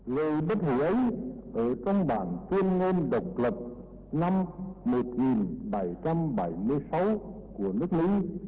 người bắt đầu ấy ở trong bản tuyên ngôn độc lập năm một nghìn bảy trăm bảy mươi sáu của nước mỹ